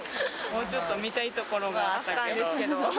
もうちょっと見たい所があったけど。